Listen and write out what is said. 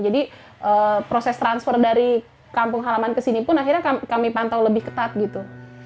jadi proses transfer dari kampung halaman kesini pun akhirnya kami pantau lebih ketat gitu